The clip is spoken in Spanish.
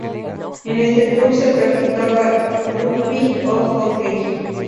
En este club se practica rugby y hockey.